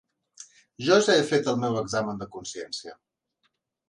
Jo ja he fet el meu examen de consciència.